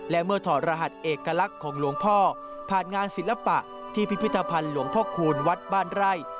และเมื่อถอดรหัสเอกลักษณ์ของหลวงพ่อผ่านงานศิลปะที่พิพิธภัณฑ์หลวงพ่อคูณวัดบ้านไร่